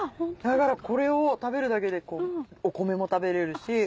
だからこれを食べるだけでお米も食べれるし。